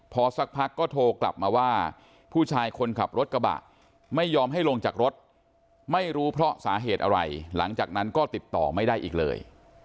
พอสักพักก็โทรกลับมาว่าผู้ชายคนขับรถกระบะไม่ยอมให้ลงจากรถไม่รู้เพราะสาเหตุอะไรหลังจากนั้นก็ติดต่อไม่ได้อีกเลย